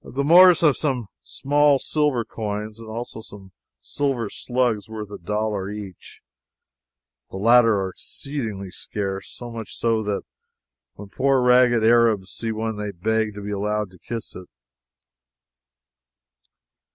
The Moors have some small silver coins and also some silver slugs worth a dollar each. The latter are exceedingly scarce so much so that when poor ragged Arabs see one they beg to be allowed to kiss it.